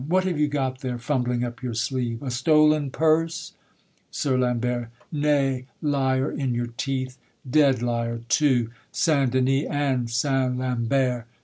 What have you got there, fumbling up your sleeve, A stolen purse? SIR LAMBERT. Nay, liar in your teeth! Dead liar too; St. Denis and St. Lambert!